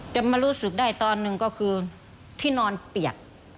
จะมารู้สึกได้ตอนหนึ่งก็คือที่นอนเปียก